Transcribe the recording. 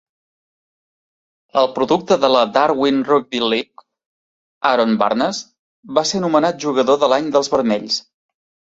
El producte de la Darwin Rugby League, Aaron Barnes, va ser nomenat jugador de l'any dels Vermells.